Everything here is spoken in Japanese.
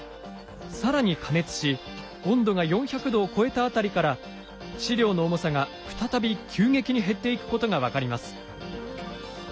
更に加熱し温度が４００度を超えた辺りから試料の重さが再び急激に減っていくことが分かります。